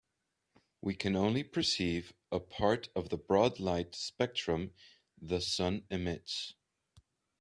We can only perceive a part of the broad light spectrum the sun emits.